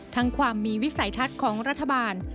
ทั้งความมีวิสัยทัศน์ของรัฐบาล